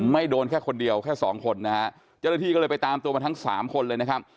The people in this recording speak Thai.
โดนแค่คนเดียวแค่สองคนนะฮะเจ้าหน้าที่ก็เลยไปตามตัวมาทั้งสามคนเลยนะครับ